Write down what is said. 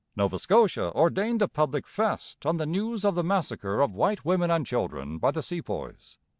Nova Scotia ordained a public fast on the news of the massacre of white women and children by the Sepoys.